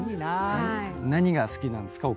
何が好きなんですか？